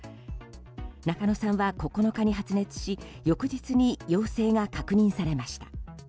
仲野さんは９日に発熱し翌日に陽性が確認されました。